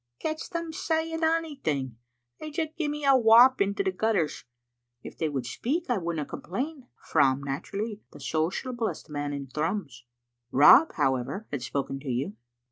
Catch them saying onything! They just gte me a wap into the gutters. If they would speak I wouldna complain, for I'm nafrally the sociablest man in Thrums." "Rob, however, had spoken to you."